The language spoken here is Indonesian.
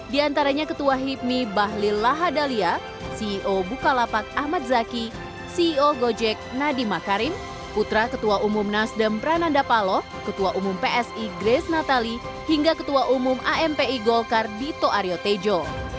di antaranya ketua hipmi bahlil lahadalia ceo bukalapak ahmad zaki ceo gojek nadiem makarim putra ketua umum nasdem prananda paloh ketua umum psi grace natali hingga ketua umum ampi golkar dito aryo tejo